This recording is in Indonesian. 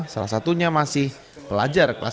salah satunya masih pelajar kelasnya